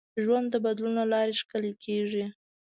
ژوند د بدلون له لارې ښکلی کېږي.